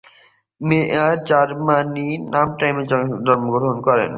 মেয়ার জার্মানির মানহাইমে জন্মগ্রহণ করেন।